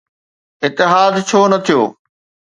اتحاد ڇو نه ٿيو؟